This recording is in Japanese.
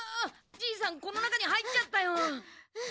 じいさんこの中に入っちゃったよ。